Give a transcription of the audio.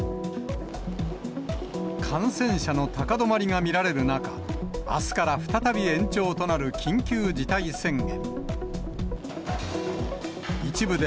感染者の高止まりが見られる中、あすから再び延長となる緊急事態宣言。